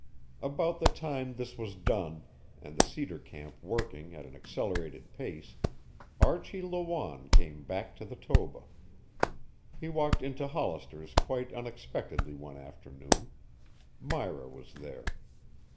About the time this was done, and the cedar camp working at an accelerated pace, Archie Lawanne came back to the Toba. He walked into Hollister's quite unexpectedly one afternoon. Myra was there.